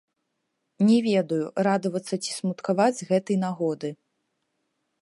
Не ведаю, радавацца ці смуткаваць з гэтай нагоды.